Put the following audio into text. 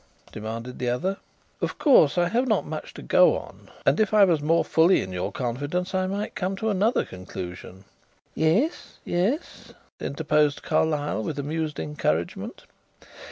demanded the other. "Of course I have not much to go on, and if I was more fully in your confidence I might come to another conclusion " "Yes, yes," interposed Carlyle, with amused encouragement.